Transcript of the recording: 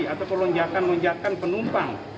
atau kelonjakan lonjakan penumpang